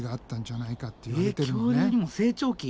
恐竜にも成長期？